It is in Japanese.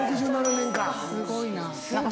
すごいな。